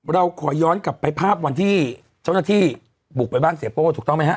เราขอย้อนกลับไปภาพวันที่เจ้าหน้าที่บุกไปบ้านเสียโป้ถูกต้องไหมฮะ